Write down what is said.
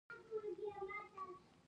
تر بوټو لاندې واورې شڼهار کاوه.